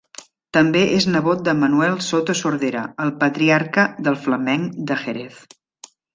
També és nebot de Manuel Soto Sordera, el patriarca del flamenc de Jerez.